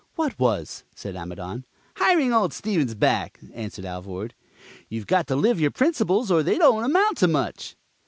"What was?" said Amidon. "Hiring old Stevens back," answered Alvord. "You've got to live your principles, or they don't amount to much."